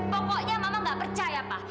pokoknya mama nggak percaya pak